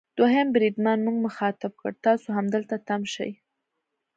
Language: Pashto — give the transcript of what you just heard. دوهم بریدمن موږ مخاطب کړ: تاسو همدلته تم شئ.